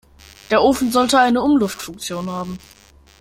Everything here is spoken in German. Der Ofen sollte eine Umluftfunktion haben.